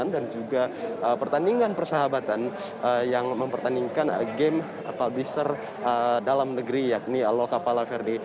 dan juga pertandingan persahabatan yang mempertandingkan game publisher dalam negeri yakni loka pala verdi